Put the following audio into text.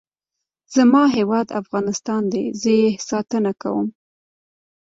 زما هیواد افغانستان دی. زه یې ساتنه کوم.